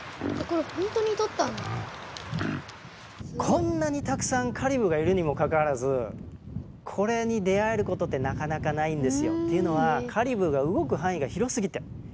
こんなにたくさんカリブーがいるにもかかわらずこれに出会えることってなかなかないんですよ。っていうのはカリブーが動く範囲が広すぎてなかなか出会えないんですね。